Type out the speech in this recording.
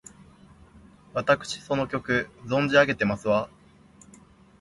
わたくしその曲、存じ上げてますわ！